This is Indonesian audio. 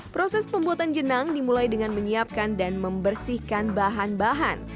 proses pembuatan jenang dimulai dengan menyiapkan dan membersihkan bahan bahan